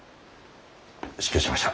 失敬しました。